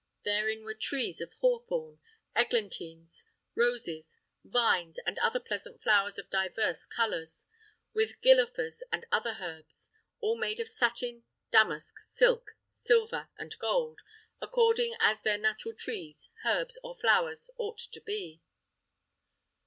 Therein were trees of hawthorn, eglantines, roses, vines, and other pleasant flowers of divers colours, with gillofers and other herbs, all made of satin, damask, silk, silver and gold, accordingly as the natural trees, herbs, or flowers ought to be.